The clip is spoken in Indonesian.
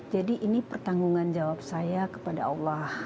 jadi ini pertanggungan jawab saya kepada allah